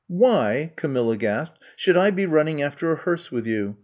Why,^^ Camilla gasped, should I be running after a hearse with you?